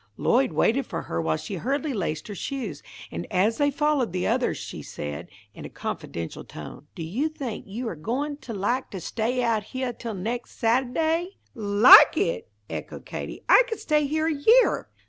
Lloyd waited for her while she hurriedly laced her shoes, and as they followed the others she said, in a confidential tone, "Do you think you are goin' to like to stay out heah till next Sata'day?" "Like it!" echoed Katie, "I could stay here a year!"